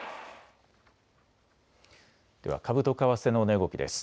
では株と為替の値動きです。